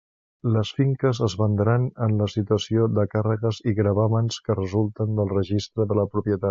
Les finques es vendran en la situació de càrregues i gravàmens que resulten del registre de la propietat.